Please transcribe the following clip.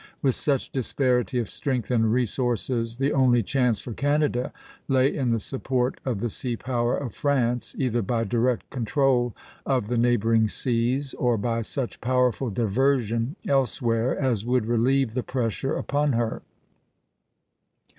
With such disparity of strength and resources, the only chance for Canada lay in the support of the sea power of France, either by direct control of the neighboring seas, or by such powerful diversion elsewhere as would relieve the pressure upon her.